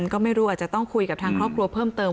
ก็ไม่รู้อาจจะต้องคุยกับทางครอบครัวเพิ่มเติม